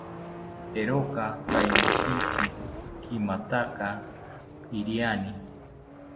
Eeroka kainishitzi kimataka iriani